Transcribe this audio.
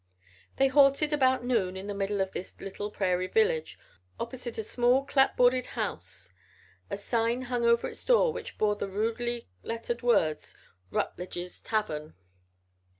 They halted about noon in the middle of this little prairie village, opposite a small clapboarded house. A sign hung over its door which bore the rudely lettered words: "Rutledge's Tavern."